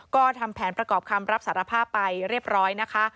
ก็ทำแผนประกอบคำรับสารภาพไปเรียบร้อยนะคะ